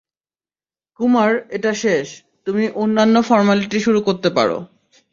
কুমার এটা শেষ, তুমি অন্যান্য ফর্মালিটি শুরু করতে পারো।